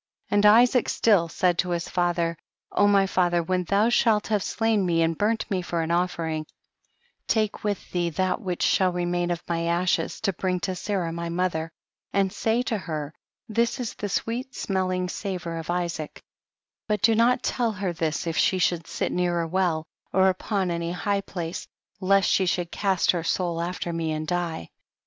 62. And Isaac still said to his fatlier, O my father, when thou shalt have slain me and burnt me for an offering, lake with thee that which shall remain of my ashes to bring to Sarah my mother, and say to her, this is the sweet smelling savor of Isaac ; but do not tell her this if she should sit near a well or u])on any high place, lest she should cast her soul after me and die.